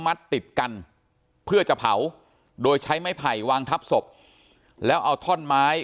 มัดติดกันเพื่อจะเผาโดยใช้ไม้ไผ่วางทับศพแล้วเอาท่อนไม้